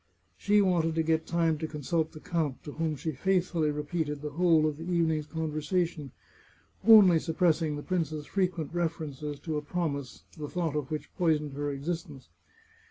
She wanted to get time to consult the count, to whom she faithfully repeated the whole of the evening's conversa tion, only suppressing the prince's frequent references to a promise the thought of which poisoned her existence.